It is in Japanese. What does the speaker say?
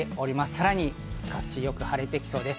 さらに各地、よく晴れてきそうです。